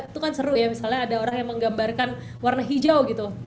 itu kan seru ya misalnya ada orang yang menggambarkan warna hijau gitu